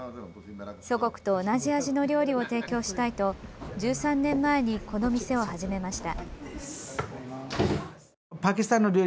祖国と同じ味の料理を提供したいと、１３年前にこの店を始めました。